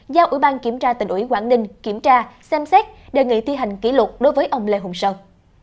giao ủy ban kiểm tra tỉnh ủy quảng ninh kiểm tra xem xét đề nghị thi hành kỷ luật đối với ông lê hùng sơn